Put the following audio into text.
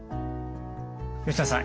吉野さん